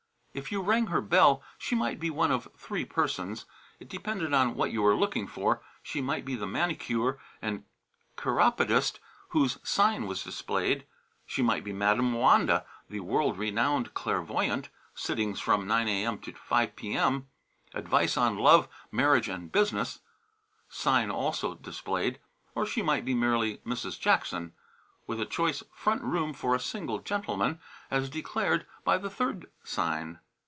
If you rang her bell she might be one of three persons. It depended on what you were looking for. She might be the manicure and chiropodist whose sign was displayed; she might be Madam Wanda, the world renowned clairvoyant, sittings from 9 A.M. to 5 P.M., Advice on Love, Marriage and Business; sign also displayed; or she might be merely Mrs. Jackson, with a choice front room for a single gentleman, as declared by the third sign.